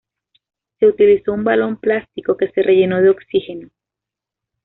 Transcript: Se utilizó un balón plástico que se rellenó de oxígeno.